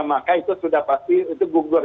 maka itu sudah pasti itu gugur